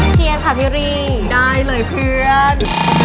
เชียร์ค่ะพี่รีได้เลยเพื่อน